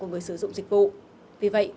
của người sử dụng dịch vụ vì vậy